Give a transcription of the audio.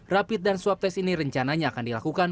rapid dan swab test ini rencananya akan dilakukan